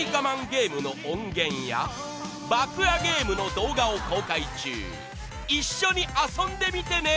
ゲームの音源や爆上げむの動画を公開中一緒に遊んでみてね